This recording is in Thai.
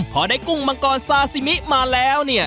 พอได้กุ้งมังกรซาซิมิมาแล้วเนี่ย